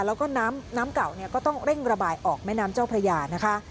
แล้วก็น้ำเก่าก็ต้องเร่งระบายออกแม่น้ำเจ้าพระยานะคะ